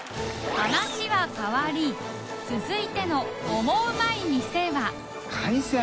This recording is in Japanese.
話は変わり続いてのオモウマい店は海鮮。